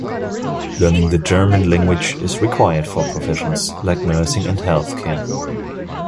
Learning the German language is required for professions like nursing and healthcare.